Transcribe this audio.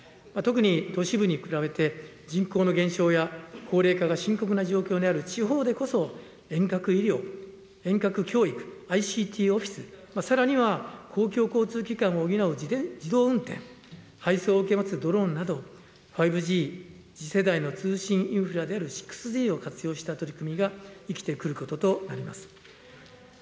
特に都市部に比べて人口の減少や高齢化が深刻な状況にある地方でこそ、遠隔医療、遠隔教育、ＩＣＴオフィス、さらには公共交通機関を補う自動運転、配送を受け持つドローンなど、５Ｇ、次世代の通信インフラである６Ｇを活用した取り組みが生きてくることとなります。